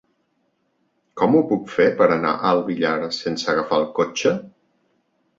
Com ho puc fer per anar al Villar sense agafar el cotxe?